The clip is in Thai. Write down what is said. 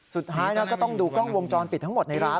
สุดท้ายก็ต้องดูกล้องวงจรปิดทั้งหมดในร้าน